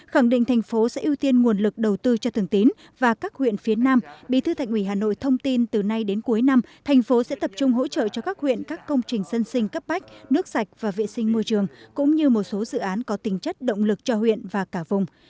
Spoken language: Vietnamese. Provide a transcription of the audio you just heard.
khẳng định thành phố sẽ ưu tiên nguồn lực đầu tư cho thường tín và các huyện phía nam bí thư thành ủy hà nội thông tin từ nay đến cuối năm thành phố sẽ tập trung hỗ trợ cho các huyện các công trình sân sinh cấp bách nước sạch và vệ sinh môi trường cũng như một số dự án có tính chất động lực cho huyện và cả vùng